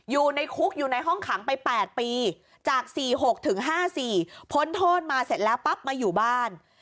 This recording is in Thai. อยู่ในคุกอยู่ในห้องขังไป๘ปีจาก๔๖ถึง๕๔พ้นโทษมาเสร็จแล้วปั๊บมาอยู่บ้าน